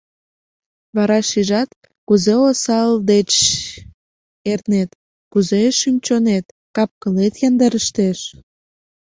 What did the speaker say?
Вара шижат, кузе осал деч эрнет, кузе шӱм-чонет, кап-кылет яндарештеш.